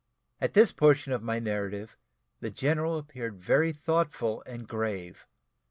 At this portion of my narrative, the general appeared very thoughtful and grave.